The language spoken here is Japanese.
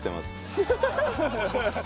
ハハハハ！